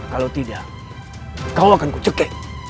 kalau tidak kau akan kucekei